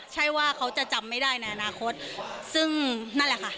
ใช่ว่าเขาจะจำไม่ได้ในอนาคตซึ่งนั่นแหละค่ะ